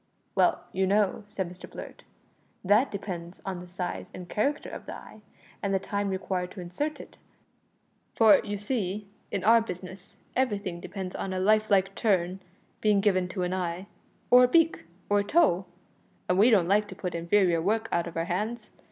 "Well, you know," said Mr Blurt, "that depends on the size and character of the eye, and the time required to insert it, for, you see, in our business everything depends on a life like turn being given to an eye or a beak or a toe, and we don't like to put inferior work out of our hands.